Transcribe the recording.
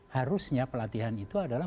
harusnya pelatihan itu adalah